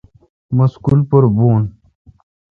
مہ سکول پر بھوں۔